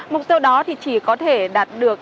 mục tiêu đó thì chỉ có thể đạt được